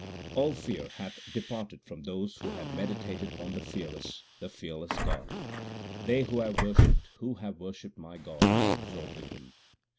All fear hath departed from those who have meditated on the fearless, the fearless God. They who have worshipped, who have worshipped my God, are absorbed in Him.